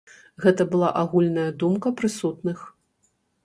Гэта была агульная думка прысутных.